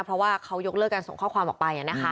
เพราะว่าเขายกเลิกการส่งข้อความออกไป